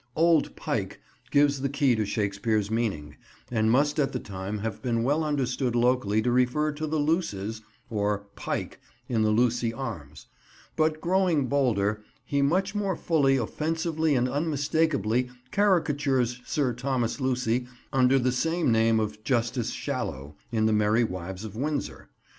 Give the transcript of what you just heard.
"Old pike" gives the key to Shakespeare's meaning, and must at the time have been well understood locally to refer to the luces, or pike, in the Lucy arms; but, growing bolder, he much more fully, offensively, and unmistakably caricatures Sir Thomas Lucy under the same name of "Justice Shallow" in the Merry Wives of Windsor.